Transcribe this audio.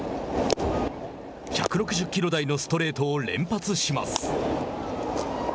１６０キロ台のストレートを連発します。